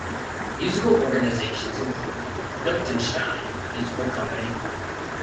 Musical organizations include the Liechtenstein Musical Company.